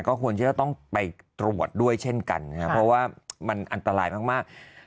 ก็ควรที่จะต้องไปตรวจด้วยเช่นกันนะครับเพราะว่ามันอันตรายมาก